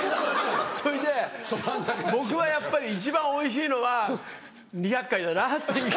それで僕はやっぱり一番おいしいのは２００回だなと。